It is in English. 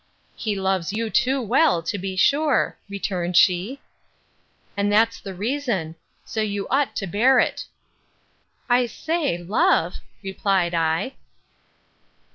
He loves you too well, to be sure, returned she; and that's the reason: so you ought to bear it. I say, love! replied I.